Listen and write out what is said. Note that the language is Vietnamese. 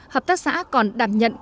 hợp tác xã còn đảm nhận